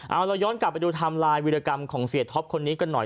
เอาเราย้อนกลับไปดูไทม์ไลน์วิรกรรมของเสียท็อปคนนี้กันหน่อย